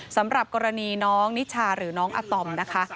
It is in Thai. สำหรับกรณีน้องนิชาหรือน้องอาตอมนะคะ